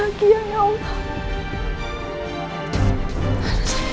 aku tak mau lagi